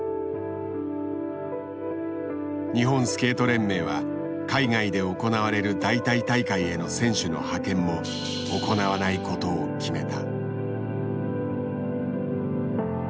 日本スケート連盟は海外で行われる代替大会への選手の派遣も行わないことを決めた。